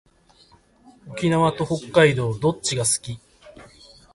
沖縄と北海道どっちが好き？